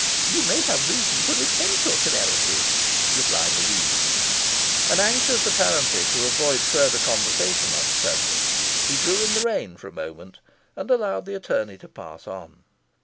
"You may have reason to repent your temerity," replied the reeve. And anxious, apparently, to avoid further conversation on the subject, he drew in the rein for a moment, and allowed the attorney to pass on.